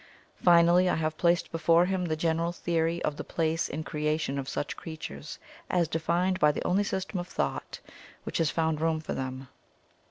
Finally, I have placed before him the general theory of the place in creation of such creatures, as defined by the only system of thought which has found room for them.